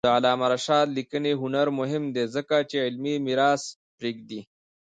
د علامه رشاد لیکنی هنر مهم دی ځکه چې علمي میراث پرېږدي.